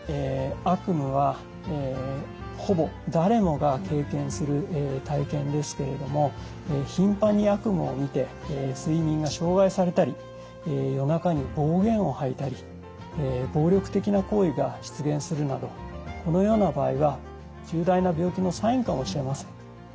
悪夢はほぼ誰もが経験する体験ですけれどもひんぱんに悪夢をみて睡眠が障害されたり夜中に暴言を吐いたり暴力的な行為が出現するなどこのような場合は重大な病気のサインかもしれません。